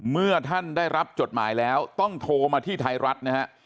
เมื่อท่านได้รับจดหมายแล้วต้องโทรมาที่ไทยรัฐนะฮะ